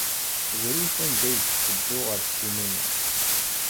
Drus anda ay yetteddu ɣer ssinima.